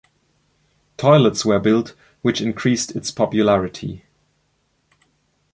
Toilets were built which increased its popularity.